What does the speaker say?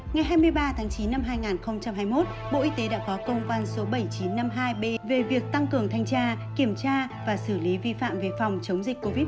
ngày hai mươi ba tháng chín năm hai nghìn hai mươi một bộ y tế đã có công văn số bảy nghìn chín trăm năm mươi hai b về việc tăng cường thanh tra kiểm tra và xử lý vi phạm về phòng chống dịch covid một mươi chín